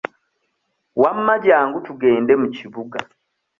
Wamma jjangu tugende mu kibuga.